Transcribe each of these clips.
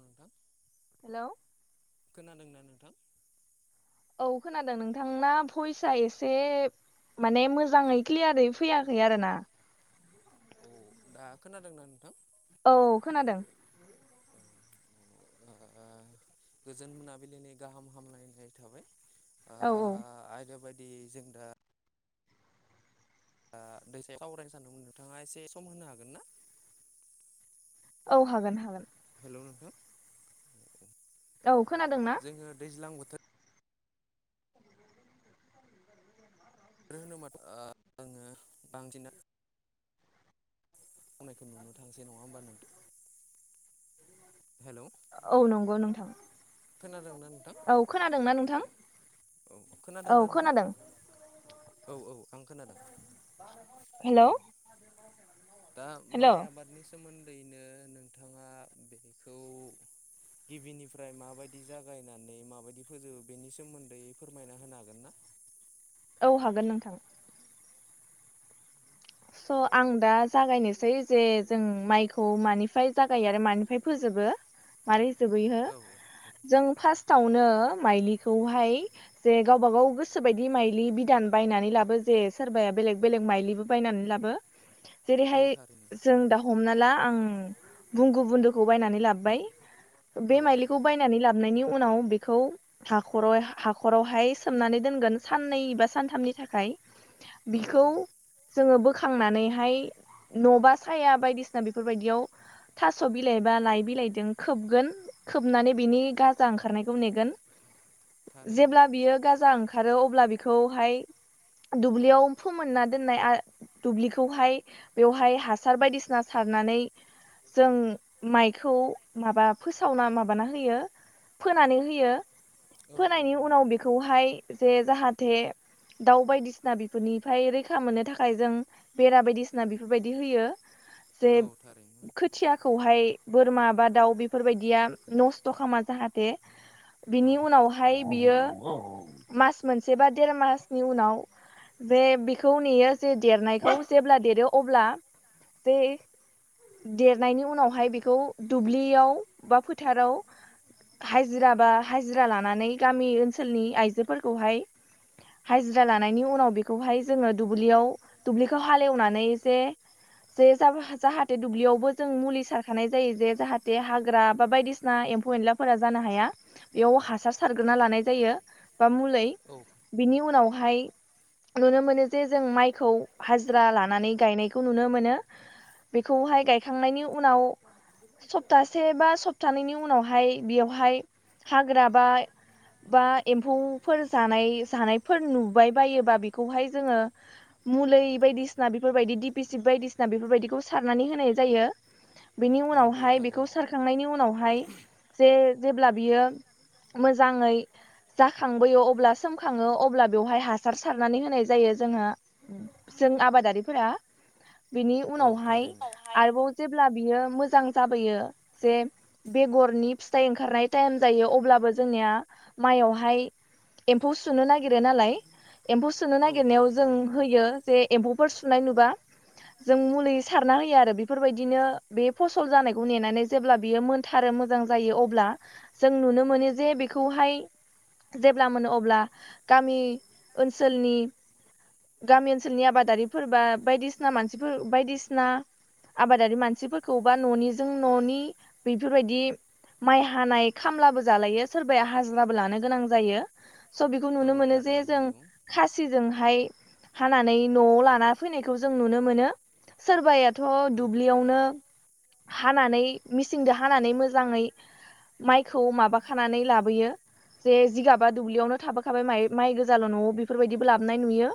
नोंथां हेल'। खोनादोंना नोंथां? औ खोनादों नोंथांना भइसआ एसे माने मोजाङै क्लियारै फैयाखै आरोना। औ दा खोनादोंना नोंथां? औ खोनादों। औ औ। गोजोन मोनाबिलिनि गाहाम हामलायनाय थाबाय आरोरबायायदि जों दैसायाव सावरायनो सानदोंमोन नोंथाङा एसे सम होनो हागोन ना औ हागोन हागोन हेल' नोंथां औ। औ खोनादों ना? जोङो दैज्लां बोथोर आरो होनोबा आोङो लांजना आंनायखौ नुनो थांसै नङा होमबा नोंथ हेल' औ नंगौ नोंथां औ खोनादोंना नोंथां औ खोनादोंनाा नोंथां औ औ आं खोनादों औ दा माइ आबादनि सोमोन्दैनो नोंथाङा बेखौ गिबिनिफ्राय माबायदि जागायनानै माबायदि फोजो बेनि सोमोन्दै फोरमायना होनो हागोन ना औ हागोन नोंथां स' आं दा जागायनोसै जे जों माइखौ मानिफ्राय जागायो आरो मानिफ्राय फोजोबो माबारै जोबैह जों फार्स्ट फटावनो माइलिखौहाय जे गावबा गाव गोसोबायदि माइलि बिदान बायनानै लाबो जे सोरबाया बेलेग बेलेग माइलिबो बायनानै जेरैहाय जों दा हमना ला आं बगु बुन्दुखौ बायनानै लाबोबाय बे म खौ बायनानै लाबोननि उनाव बेखौ हाखर हाखरावहाय सोमनानै दोनगोन साननै बा सानथामनि थाखाय बिखौ जोङो खांनानैहाय न'बा साया बायदिसिना बेफोरबायदियाव थास' बिलाइ बा लाइ बिलाइजों खोबगोन खोबनानै बिनि गाजा ओंखारनायखौ नेगोन जेब्ला बियो गाजा ओंखार ओंखारो अब्ला बेखौहाय दुब्लियाव फोमोनना दोननाय दुब्लिखौहाय बेवहाय हासार बायदिसिना सारनानै जों माइखौ माबा फोसावना माबाना होयो फोनानै होयो फोनायनि उनाव बेखौ बेहाय जे जाहाथे दाउ बायदिसिना बिफोरनिफ्राय रैखा मोननो थाखाय थाखाय जों बेरा बायदिसिना बेफोरबायदि होयो जे खुथियाखौहाय बोरमा बा दाउ बेफोरबायदिया नस्थ' खालामा जाहाथे बिनि उनावहाय बियो मास मोनसे बा देर मासनि उनाव जे बेखौ नेयो जे देरनायखौ जेब्ला देरो अब्ला जे देरनायनि उनावहाय बेखौ दुब्लियाव बा फोथाराव हाजिरा बा हाजिरा लानानै गामि ओनसोलनि आइजोफोरखौहाय हाजिरा लानायनि उनाव बेखौहाय जोङो दुब्लियाव दुब्लिखौ हालेवनानै जसे जे जाहाथे दुब्लियावबो जों मुलि सारखानाय जायो जे जाहाथे हाग्रा बा बायदिसिना ना एम्फौ एनलाफोरा जानो हाया बेयाव हासार सारग्रोना लानाय जायो बा मलै बिनि उनावहाय नुनो मोनो जे जों माइ खौ हाजिरा लानानै गायनायखौ नुनो मोनो बेखौहाय गायखांनायनि उनाव सप्तासे बा सप्तानैनि उनावहाय बेयावहाय हाग्रा बा बा एम्फौफोर जानाय जानायफोर नुबाय बायोबा बेखौहाय जोङो मलै बायदिसिना बेफोरबायदि दिडिपिसिप बायदिसिना बेफोरबायदिखौ सारनानै होनाय जायो बेनि उनावहाय बेखौ सारखांनायनि उनावहाय जे जेब्ला बियो मोजाङै जाखांबोयो अब्ला सोमखाङो अब्ला बेवहाय हासार सारनानै होनाय जायो जोङो। जों आबादारिफोरा बेनि उनावहाय आरोबाव जेब्ला बियो मोजां जाबोयो जे बेगरनि फिथाइ ओंखारनाय टाइम जायो, अब्लाबो जोंनिया माइयावहाय एम्फौ सुनो नागिरो नालाय एम्फौ सुनो नागिरनायाव जों जे एम्फौफोर सुनाय नुबा जों मुलि सारना होयो आरो बेफोरबायदिनो बे फसल जानायखौ नेनानै जेब्ला बियो मोन थारो मोजां जायो अब्ला जों नुनो मोनो जे बेखौहाय जेब्ला मोनो अब्ला गामि ओनसोलनि गामि ओनसोलनि आबादारिफोर बा बायदिसिना मानसिफोर बायदिसिना आबादारि मानसिफोरखौ बा न'निजों न'नि बेफोरबायदि माइ हानाय खामलाबो जालायो सोरबाया हाजिराबो लानो गोनां जायो। स' बेखौ नुनो मोनो जे जों खासिजोंहाय हानानै न'आव लाना फैनायखौ जों नुनो मोनो। सोरबायाथ' दुब्लियावनो हानानै मिेसिंजों हानानै मोजाङै माइखौ माबाखानानै लाबोयो। जे जिगाबा दुब्लियावनो थाबोखाबाय माइ माइ गोजाल' न'आव बेफोरबायदिबो लाबोनाय नुयो।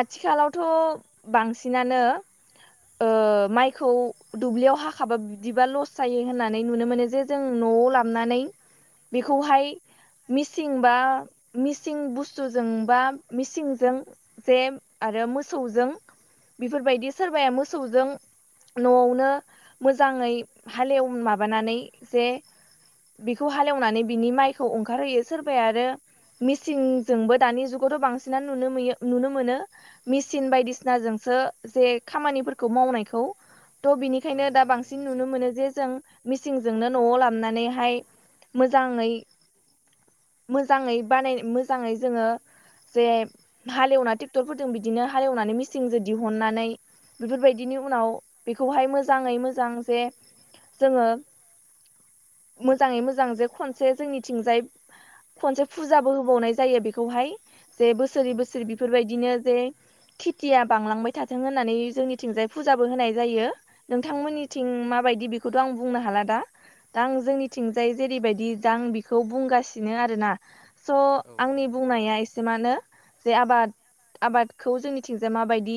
आथिखालावथ' बांसिनानो माइखौ दुब्लियाव हाखाबा बिदिबा लस जायो होननानै नुनो मोनो जे जों न'आव लाबनानै बेखौहाय मिसिं बा मिसिं बुस्थुजों बा मिसिं जों जे आरो मोसौजों बेफोरबायदि सोरबाया मोसौजों न'आवनो मोजाङै हालेव माबानानै जे बेखौ हालेवनानै बिनि माइखौ ओंखारहोयो सोरबाया आरो मिसिंजोंबो दानि जुगावथ' बांसिनानो नुनो मोनयो नुनो मोनो। मेसिन बायदिसिनाजोंोंसो जे खामानिफोरखौ मावनायखौ थ' बिनि बेखायनो दा बांसिन नुनो मोनो जे जों मिेसिंजोंनो न'आव लाबनानैहाय मोजाङै मोजाङै बानाय मोजाङै जोङो जे हालेवना ट्रेक्टरफोरजों बिदिनो हालेवनानै मिेसिंजों दिहुननानै बेफोरबायदिनि उनाव बेखौहाय मोजाङै मोजां जे [inaudible] मोजाङै मोजां जे खनसे जोंनिथिंजाय खनसे फुजाबो होबावनाय जायो बेखौहाय जे बोसोरै बोसोरै बेफोरबायदिनो जे खेथिया बांलांबाय थाथों होननानै जोंनिथिंजाय फुजाबो होनाय जायो। नोंथांमोननिथिं माबायदि बेखौथ' आं बुंनो हाला दा दा आं जोंनिथिंजाय जेरैबायदि द आं बिखौ बुंगासिनो आरोना‌। स' आंनि बुंनाया एसे मानो जे आबाद आबादखौ जोंनिथिंजाय माबायदि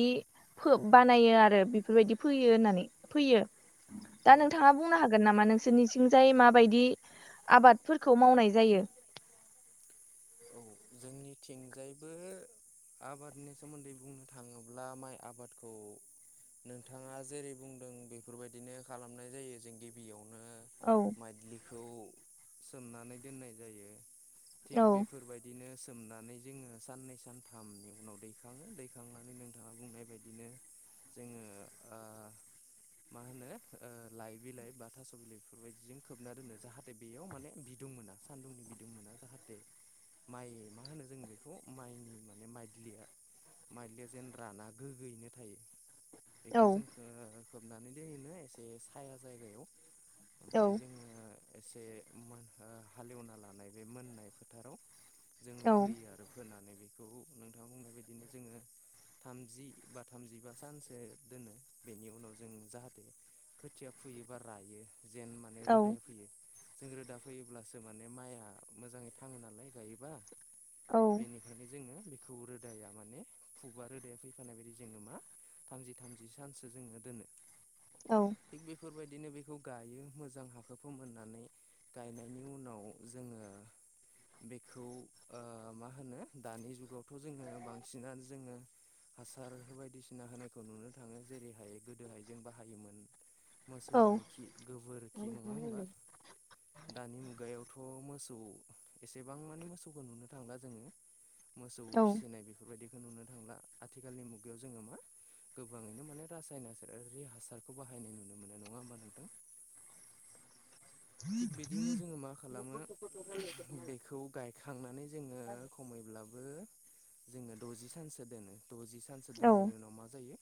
बानायो आरो बेफोरबायदि फैयो होननानै फैयो। दा नोंथाङा बुंनो हागोन नामा नों बिसोरनिथिंजाय माबायदि आबादफोरखौ मावनाय जायो। औ जोंनिथिंजायबो आबादनि सोमोन्दै बुंनो थाङोब्ला माइ आबादखौ नोंथाङा जेरै बुंदों बेफोरबायदिनो खालामनाय जायो जों गिबियावनो औ। [unintelligible] बेफोरबायदिनो सोमनानै जोङो साननै सानथामनि उनाव दैखाङो दैखांनानै नोंथाङा बुंनाय बायदि बिदिनो जोङो मा होनो लाइ बिलाइ बा थास' बिलाइ बेफोरबायदिजों खोबना दोनो जाहाथे जाहाथे बेयाव माने बिदुं मोना सान्दुंनि बिदुं मोना जाहाथे माइ मा होनो जोङ बेखौ माइनि माने माइदिलिया माइलिया जेन राना गोग्गोयैनो थायो। बेखौ जों खोबनानै दोननो एसे साया जायगायाव ओमफ्राय जोङो एसे हालेवना लानाय बे मोननाय फोथाराव जोङो फोयो आरो फोनानै बेखौ नोंथाङा बुंनाय बायदिनो जोङो थामजि बा थामजिबा सानसो दोनो बेनि उनाव जों जाहाथे खोथिया फुयोबा रायो जेन माने रोदाया फैयो जों रोदा फैयोब्लासो माने माइआ मोजाङै थाङो नालाय गायोबा बेनि ओंखायनो जोङो बेखौ रोदाया माने फुुबा रोदाया फैफानाय बायदि जोङो मा थामजि थामजि सानसो जोङो दोनो थिग बेफोरबायदिनो बेखौ गायो मोजां हाखोखौ मोननानै गायनायनि उनाव जोङो बेखौ मा होनो दानि जुगावथ' जोङो बांसिनानो जोङो हासार बायदिसिना होनायखौ नुनो थाङो जेरैहाय गोदोहाय जों बाहायोमोन। मोसौनि खि गोबोरखि नङा होमबा। दानि मुगायावथ' मोसौ एसेबां मानि मोसौखौ नुनो थांला जोङो मोसौ फिसिनाय बेफोरबायदिखौ नुनो थांब्ला आथिखालनि मुगायाव जोङो मा गोबाङैनो माने रासायनारारि हासारखौ बाहायनाय नुनो मोनो नङा होमबा नोंथां। थिग बिदिनो जोङो मा खालामो बेखौ गायखांनानै जोङो खमैब्लाबो जोङो दजि सानसो दोनो द'जि सानसो दोननायनि उनाव मा जायो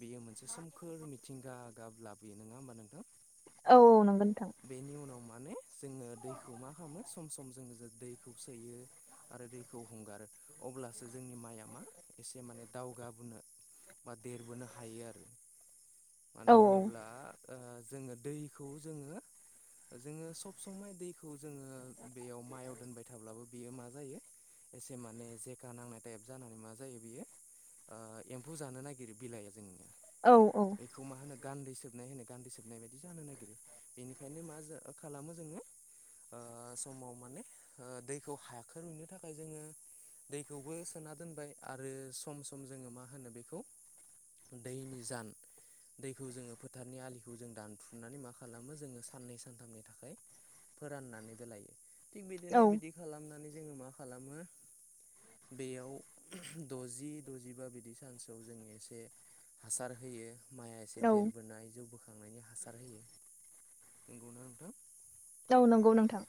बेयो मोनसे सोमखोर मिथिंगा गाब्लाबोयो नङा होमबा नोंथां? औ औ नंगौ नोंथां। बेनि उनाव माने जोङो दैखौ मा खालामो सम सम जोङो दैखौ सोयो। आरो दैखौ हगारो अब्लासो जोंनि माइया मा एसे माने दावगाबोनो बा देरबोनो हायो आरो मानो होनोब्ला जोङो दैखौ जोङो जोङो सब समाय दैखौ जोङो बेयाव मायआव दोनबाय थाब्लाबो बेयो मा जायो एसे माने जेखा नांनाय टाइप जानानै मा जायो बियो एम्फौ जानो नागिरो बिलाइआ जोंनिया औ औ। बेखौ मा होनो गान्दै सोबनाय होनो गान्दै सोबनाय बायदि जानो नागिरो बेनिखायनो मा खालामो जोङो समाव माने दैखौ हाखो रुनो थाखाय जोङो दैखौबो सोना दोनबाय आरो सम सम जोङो मा होनो बेखौ दैनि जान दैखौ जोङो फोथारनि आलिखौ जों दानथुनानै मा खालामो जोङो साननै सानथामनि थाखाय फोराननानैबो लायो थिग बिदिनो बिदि खालामनानै जोङो मा खालामो बेयाव द'जि द'जिबा बिदि सान्सआव जों एसे हासार होयो। माइआ एसे देरबोनाय जौ बोखांनायनि हासार होयो नंगौना नोंथां? दा नंगौ नोंथां।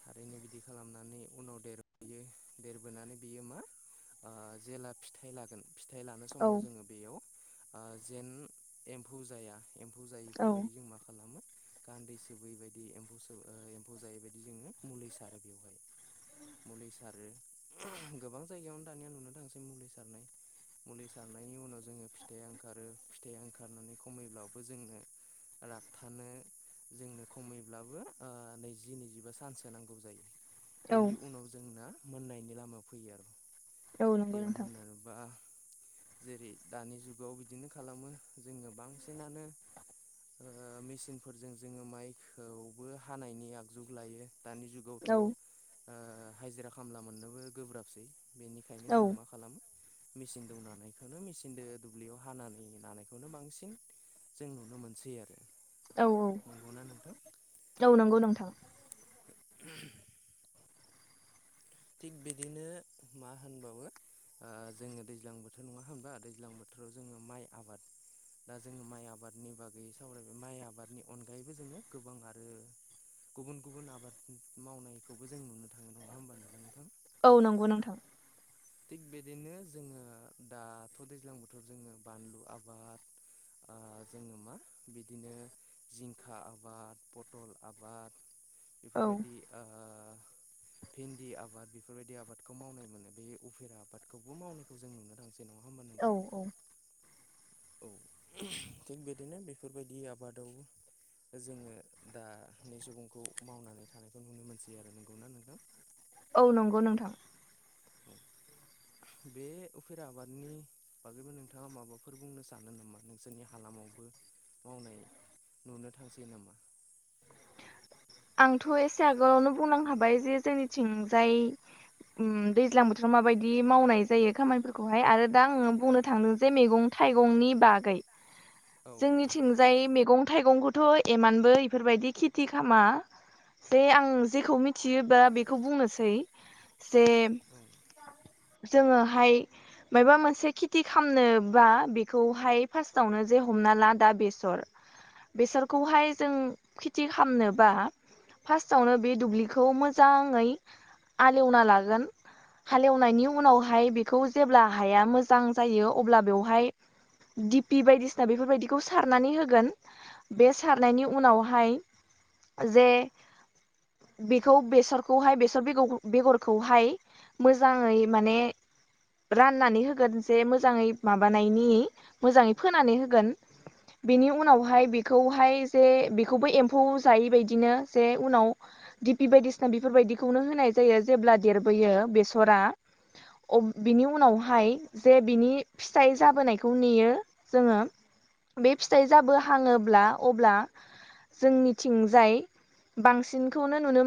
थारैनो बिदि खालामनानै उनाव देरबोयो देरबोनानै बियो मा जेला फिथाइ लागोन फिथाइ लानो समाव जोङो बेयाव जेन एम्फौ जाया एम्फौ जायैफोरबायदि जों मा खालामो गान्दै सोबै बायदि एम्फौ ओ एम्फौ जायै बायदि बिदि जोङो मुलि सारो बेवहाय मुलि सारो गोबां जायगायावनो दानिया नुनो थांसै मुलि सारनाय मुलि सारनायनि उनाव जोङो फिथाइ ओंखारो फिथाइ ओंखारनानै खमैब्लाबो जोंङो। राबथानो जोंनो खमैब्लाबो ओ नैजि नैजि बे चान्स होनांगौ जायो। बेनि उनाव जोंना मोननायनि लामायाव फैयो आरो। बिदियाव मोनो बा जेरै दानि जुगाव बिदिनो खालामो जोङो बांसिनानो मेसिनफोरजों जोङो माइखौबो हानायनि आगजु लायो दानि जुगावथ' ओ हाजिरा खामला मोननोबो गोब्राबसै बेनिख बेखायनो जोङो मा खालामो मेचिन दौ नानायखौनो मेसिनजों दुब्लियाव हानानै नानायखौनो बांसिन जों नुनो मोनसै आरो नंगौना नोंथां? औ नंगौ नोंथां। [unintelligible] थिग बिदिनो मा होनबावो ओ जोङो दैज्लां बोथोर नङा होनबा? दैज्लां बोथोराव जोङो माइ आबाद दा जोङो माइ आबादनि बागै सावरायबाय माइ आबादनि अनगायैबो जोङो गोबां आरो गुबुन गुबुन आबाद मावनायखौबो जों नुनो थाङो नङा होमबा नोंथां? औ नंगौ नोंथां। थिग बिदिनो जोङो दाथ' दैज्लां बोथोराव जोङो बानलु आबाद। ओ जोङो मा बिदिनो जिंखा आबाद, पथल आबाद, बेफोरबायदि ओ भिन्दि आबाद बेफोरबायदि आबादखौ मावनाय मोनो। बे उफेर आबादखौबो मावनायखौ जों नुनो थांसै नङा होमबा नोंथां? औ थिग बिदिनो बेफोरबायदि आबादाव जोङो दानि सुबुंखौ मावनानै थानायखौ नुनो मोनसै आरो नोंगौना नोंथां? औ नंगौ नोंथां। औ बे उफेरा आबादनि बागैबो नोंथाङा माबाफोर बुंनो सानो नामा? नोंसोरनि हालामावबो मावनाय। नुनो थांसै नामा? आंथ' एसे आगोलावनो बुंनां हाबाय जे जोंनिथिंजाय उम दैज्लां बोथोराव माबायदि मावनाय जायो खामानिफोरखौहाय आरो दा आङो बुंनो थांदों जे मैगं थाइगंनि बागै। जोंनि थिंजाय मैगं थाइगंखौथ' एमानबो इफोरबायदि खेथि खालामा। दे आं जेखौ मिथियोबा बेखौ बुंनोसै। जे औ। जोङोहाय मायबा मोनसे खेथि खालामनोबा बेखौहाय फार्स्टावनो जे हमना ला दा बेसर, बेसादखौहाय जों खेथि खालामनोबा फार्स्टआवनो बे दुब्लिखौ मोजाङै आलेवना लागोन। हालेवनायनि उनावहाय बेखौ जेब्ला हाया मोजां जायो अब्ला बेवहाय दिपि बायदिसिना बेफोरबायदिखौ सारनानै होगोन। बे सारनायनि उनावहाय जे बेखौ बेसरखौहाय बेसर बेगरखौहाय मोजाङै माने राननानै होगोन जे मोजाङै माबानायनि मोजाङै फोनानै होगोन। बेनि उनावहाय बेखौहाय जे बेखौबो एम्फौ जायै बायदि बिदिनो जे उनाव दिपि बायदिसिना बेफोरबायदिखौनो होनाय जायो। जेब्ला देरबोयो बेसरा अब बिनि उनावहाय जे बिनि फिथाइ जाबोनायखौ नेयो। जोङो बे फिथाइ जाबो हाङोब्ला अब्ला जोंनिथिंजाय बांसिनखौनो नुनो मोन